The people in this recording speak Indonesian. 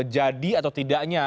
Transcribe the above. jadi atau tidaknya